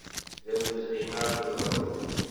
D awezɣi ad teẓreḍ.